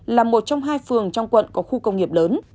là một trong hai phường trong quận có khu công nghiệp lớn